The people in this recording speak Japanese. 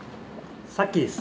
さっきです。